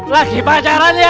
lagi pacaran ya